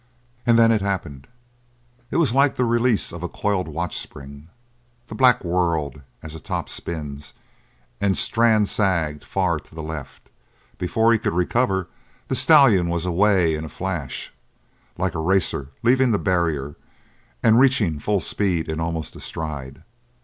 And then it happened. It was like the release of a coiled watch spring; the black whirled as a top spins and Strann sagged far to the left; before he could recover the stallion was away in a flash, like a racer leaving the barrier and reaching full speed in almost a stride.